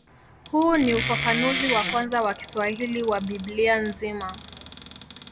Huu ni ufafanuzi wa kwanza wa Kiswahili wa Biblia nzima.